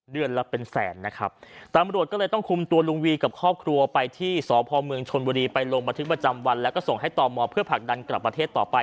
เดือนละเป็นแสนนะครับตำรวจก็เลยต้องคุมตัวลุงวีกับครอบครัวไปที่สพเมืองชนบุรีไปลงบันทึกประจำวันแล้วก็ส่งให้ต่อมอเพื่อผลักดันกลับประเทศต่อไป